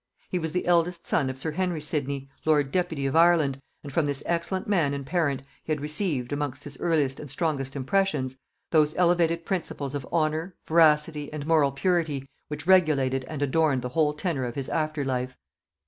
He was the eldest son of sir Henry Sidney, lord deputy of Ireland, and from this excellent man and parent he had received, amongst his earliest and strongest impressions, those elevated principles of honor, veracity and moral purity which regulated and adorned the whole tenor of his after life.